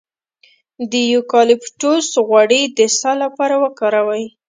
د یوکالیپټوس غوړي د ساه لپاره وکاروئ